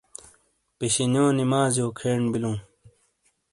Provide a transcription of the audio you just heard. پِشِینیو نمازیو کھین بِیلوں۔